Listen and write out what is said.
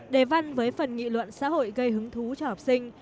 đề văn với phần nghị luận xã hội gây hứng thú cho học sinh